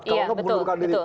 kalau enggak mengundurkan diri